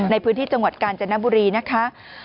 ในพื้นที่จังหวัดกาญจนบุรีนะคะ